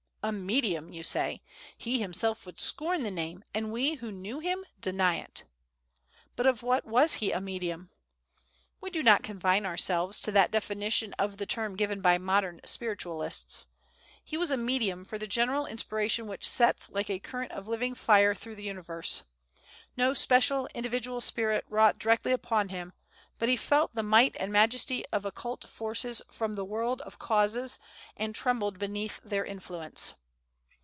"A medium!" you say. "He himself would scorn the name; and we, who knew him, deny it." But of what was he a medium? We do not confine ourselves to that definition of the term given by modern Spiritualists. He was a medium for the general inspiration which sets like a current of living fire through the universe. No special, no individual spirit wrought directly upon him, but he felt the might and majesty of occult forces from the world of causes, and trembled beneath their influence.